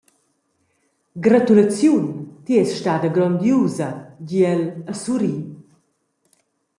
«Gratulaziun, ti eis stada grondiusa», di el e surri.